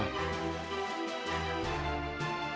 เชิญพวกคุณกลับไปยืนที่เดิมได้